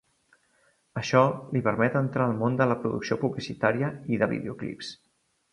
Això li permet entrar al món de la producció publicitària i de videoclips.